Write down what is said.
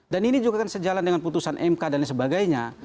dan ini juga kan sejalan dengan putusan mk dan sebagainya